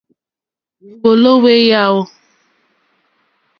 Hwèwòló hwé yáò.